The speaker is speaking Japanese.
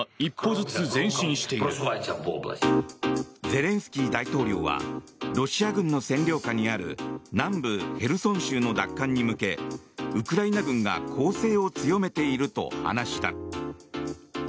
ゼレンスキー大統領はロシア軍の占領下にある南部ヘルソン州の奪還に向けウクライナ軍が攻勢を強めていると話した。